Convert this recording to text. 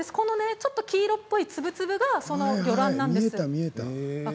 ちょっと黄色っぽい粒々がその魚卵です。